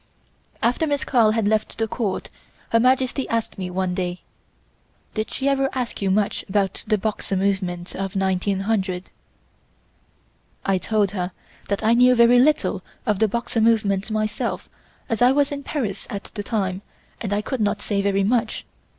After Miss Carl had left the Court, Her Majesty asked me one day: "Did she ever ask you much about the Boxer movement of 1900?" I told her that I knew very little of the Boxer movement myself, as I was in Paris at the time and I could not say very much.